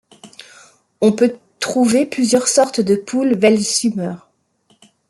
On peut trouver plusieurs sortes de poules welsumer.